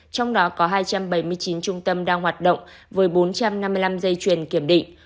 trong đó có hai trăm bảy mươi chín trung tâm đang hoạt động với bốn trăm năm mươi năm dây chuyền kiểm định